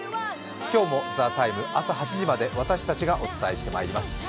今日も「ＴＨＥＴＩＭＥ，」朝８時まで私たちがお伝えしていきます。